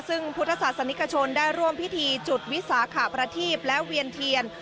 ซึ่งพุทธศาสนิกชนได้ร่วมพิธีจุดวิสาขประทีพและเวียนเทียน